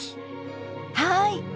はい。